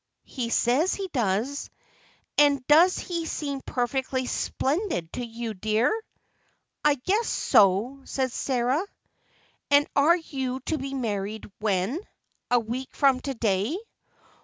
"He says he does." "And does he seem perfectly splendid to you, dear?" "I guess so," said Sarah. "And you are to be married—when? A week from to day?